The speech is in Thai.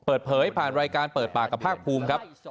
เปิดเผยผ่านรายการเปิดปากกับภาคภูมิครับ